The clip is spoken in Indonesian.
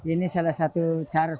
ini salah satu cara supaya lebih tahan